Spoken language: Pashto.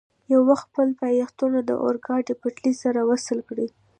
یو وخت خپل پایتختونه د اورګاډي پټلۍ سره وصل کړي.